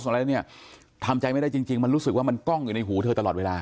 อะไรเนี่ยทำใจไม่ได้จริงจริงมันรู้สึกว่ามันกล้องอยู่ในหูเธอตลอดเวลา